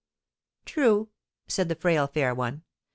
"True!" said the frail fair one.